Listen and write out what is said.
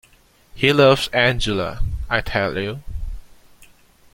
He loves Angela, I tell you.